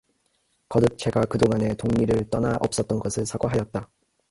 거듭 제가 그 동안에 동리를 떠나 없었던 것을 사과하였다.